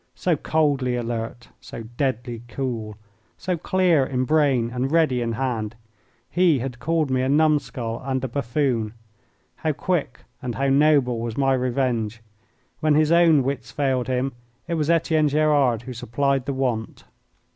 So coldly alert, so deadly cool, so clear in brain and ready in hand. He had called me a numskull and a buffoon. How quick and how noble was my revenge! When his own wits failed him, it was Etienne Gerard who supplied the want.